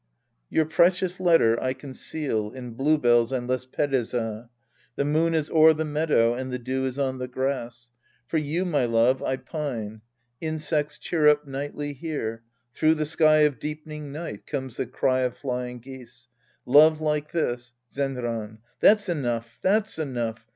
Your precious letter I conceal In bluebells and lespedeza ; The moon is o'er the meadow. And the dew is on the grass ; For you, my love, I pine Insects chirrup nightly here ; Through the sky of deep'ning night. Comes the cry of flying geese. Love like this — Zenran. That's enough. That's enough.